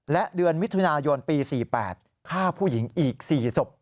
และเดือนมิถุนายนปี๔๘ฆ่าผู้หญิงอีก๔ศพ